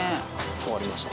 終わりました。